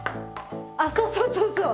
あっそうそうそうそう。